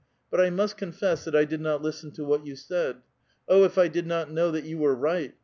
But I must coufi'ss that 1 did not lis»teii to what vou said. Oh, if I did not know that ymi were right